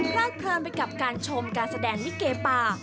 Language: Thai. พรากพลังไปกับการชมการแสดงนิเกปา